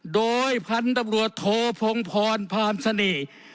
โดยพันธุ์ตำรวจโทพงพรพามเสน่ห์